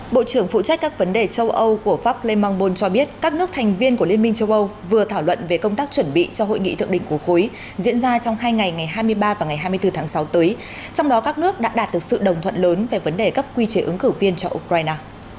bộ trưởng phụ trách các vấn đề châu âu của pháp lê mang bold cho biết các nước thành viên của liên minh châu âu vừa thảo luận về công tác chuẩn bị cho hội nghị thượng đỉnh của khối diễn ra trong hai ngày ngày hai mươi ba và ngày hai mươi bốn tháng sáu tới trong đó các nước đã đạt được sự đồng thuận lớn về vấn đề cấp quy chế ứng cử viên cho ukraine